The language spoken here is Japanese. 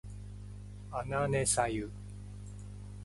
あなねさゆ